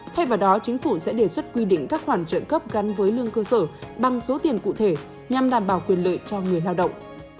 thay vào đó chính phủ sẽ đề xuất quy định các khoản trợ cấp gắn với lương cơ sở bằng số tiền cụ thể nhằm đảm bảo quyền lợi cho người lao động